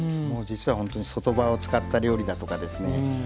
もう実はほんとに外葉を使った料理だとかですね